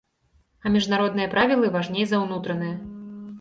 А міжнародныя правілы важней за ўнутраныя.